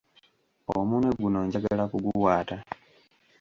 Omunwe guno njagala kuguwaata.